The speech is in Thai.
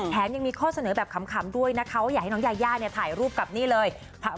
ยังมีข้อเสนอแบบขำด้วยนะคะว่าอยากให้น้องยายาเนี่ยถ่ายรูปกับนี่เลย